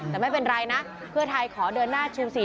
แต่ไม่เป็นไรนะเพื่อไทยขอเดินหน้าชู๔